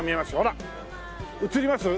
映ります？